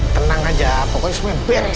tenang aja pokoknya semuanya clear